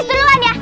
inces duluan ya